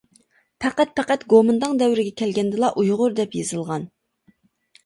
پەقەت، پەقەت گومىنداڭ دەۋرىگە كەلگەندىلا ئۇيغۇر دەپ يېزىلغان.